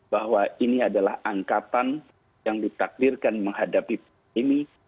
bahwa ini adalah angkatan yang ditakdirkan menghadapi pandemi